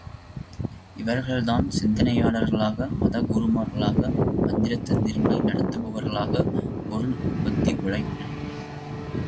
இவர்கள்தான் சிந்தனையாளர்களாக, மதகுருமார்களாக, மந்திர தந்திரங்களை நடத்துபவர்களாக, பொருளுற்பத்தி உழைப்பில் இருந்து விலகிச் செயல்பட்டனர்.